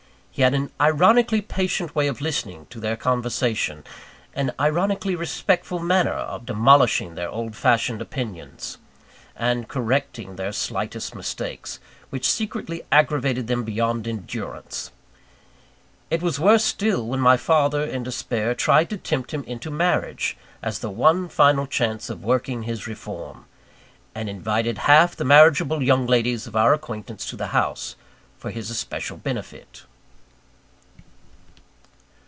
He had an ironically patient way of listening to their conversation; an ironically respectful manner of demolishing their old fashioned opinions, and correcting their slightest mistakes, which secretly aggravated them beyond endurance. It was worse still, when my father, in despair, tried to tempt him into marriage, as the one final chance of working his reform; and invited half the marriageable young ladies of our acquaintance to the house, for his especial benefit.